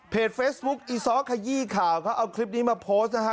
เฟซบุ๊คอีซ้อขยี้ข่าวเขาเอาคลิปนี้มาโพสต์นะฮะ